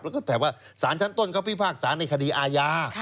แล้วก็แถบว่าศาลชั้นต้นเค้าพิพากจ์ศาลในคดีอายา